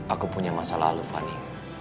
aku punya masalah alufani